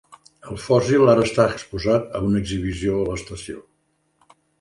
El fòssil ara està exposat a una exhibició a l'estació.